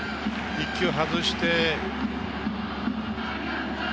１球外して。